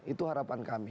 itu harapan kami